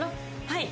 はい！